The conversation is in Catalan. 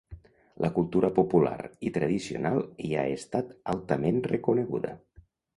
La cultura popular i tradicional hi ha estat altament reconeguda.